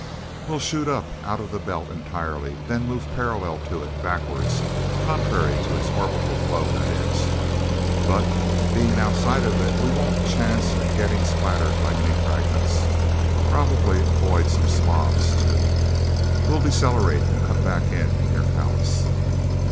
"We'll shoot up, out of the Belt entirely, then move parallel to it, backwards contrary to its orbital flow, that is. But being outside of it, we won't chance getting splattered by any fragments. Probably avoid some slobs, too. We'll decelerate, and cut back in, near Pallas.